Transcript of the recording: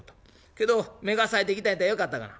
けど目がさえてきたんやったらよかったがな」。